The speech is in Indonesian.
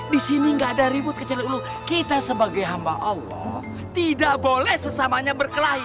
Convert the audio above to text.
di sini gak ada ribut kecil dulu kita sebagai hamba allah tidak boleh sesamanya berkelahi